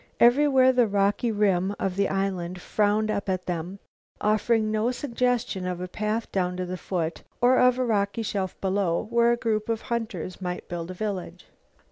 Everywhere the rocky rim of the island frowned up at them, offering no suggestion of a path down to the foot, or of a rocky shelf below where a group of hunters might build a village.